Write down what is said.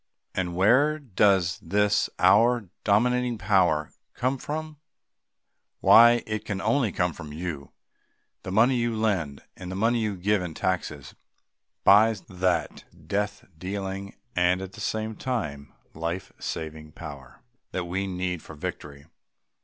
And where does this our dominating power come from? Why, it can come only from you. The money you lend and the money you give in taxes buys that death dealing, and at the same time life saving power that we need for victory.